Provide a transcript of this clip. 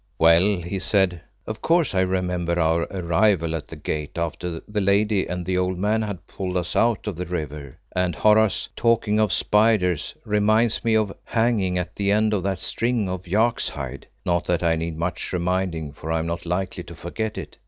"Well," he said, "of course I remember our arrival at that Gate after the lady and the old man had pulled us out of the river, and, Horace, talking of spiders reminds me of hanging at the end of that string of yak's hide. Not that I need much reminding, for I am not likely to forget it.